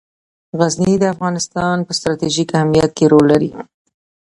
غزني د افغانستان په ستراتیژیک اهمیت کې رول لري.